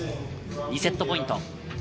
２セットポイント。